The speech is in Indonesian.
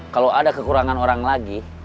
kalau ada kekurangan orang lagi